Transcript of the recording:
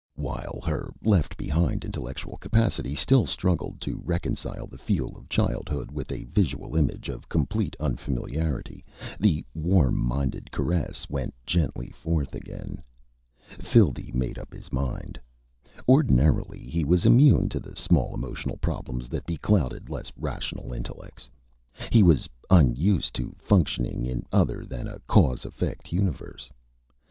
While her left behind intellectual capacity still struggled to reconcile the feel of childhood with a visual image of complete unfamiliarity, the warm mind caress went gently forth again. Phildee made up his mind. Ordinarily, he was immune to the small emotional problems that beclouded less rational intellects. He was unused to functioning in other than a cause/effect universe.